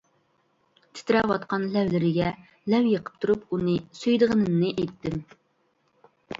تىترەۋاتقان لەۋلىرىگە لەۋ يېقىپ تۇرۇپ، ئۇنى سۆيىدىغىنىمنى ئېيتتىم.